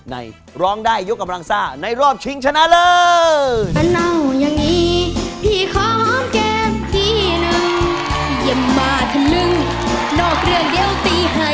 ร้องได้ยกกำลังซ่าในรอบชิงชนะเลิศ